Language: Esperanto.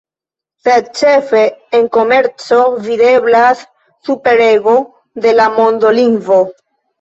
Sed ĉefe en komerco videblas superrego de la mondolingvo.